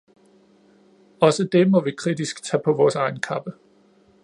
Også det må vi kritisk tage på vores egen kappe.